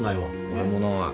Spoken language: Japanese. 俺もない。